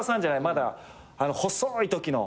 まだ細いときの。